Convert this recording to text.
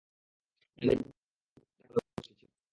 আমি তাকে অনেক ভালোবেসছিলাম!